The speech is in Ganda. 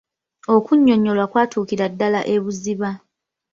Okunnyonnyolwa kwatuukira ddala ebuziba.